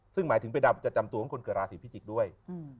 ซึ่งหมายถึงเป็นวัฒนธ์จะจำตัวมันกดกระดาษภิกดิ์ด้วยมันก็